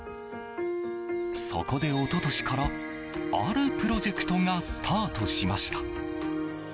そこで一昨年からあるプロジェクトがスタートしました。